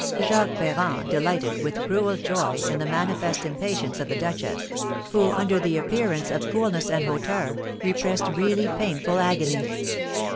Jacques Ferrand delighted, with cruel joy, in the manifest impatience of the duchess, who, under the appearance of coolness and hauteur, repressed really painful agony.